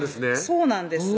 そうなんです